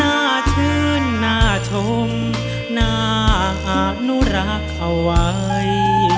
หน้าชื่นน่าชมน่าอาจอนุรักษ์เขาไว้